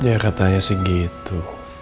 ya katanya sih gitu